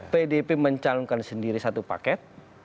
pdip mencalonkan sendiri satu paket